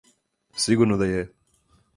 Сигурно да је.